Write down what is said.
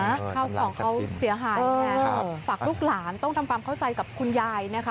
ข้าวของเขาเสียหายไงฝากลูกหลานต้องทำความเข้าใจกับคุณยายนะคะ